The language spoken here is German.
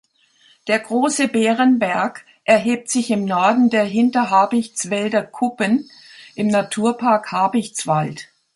Der Große Bärenberg erhebt sich im Norden der Hinterhabichtswälder Kuppen im Naturpark Habichtswald.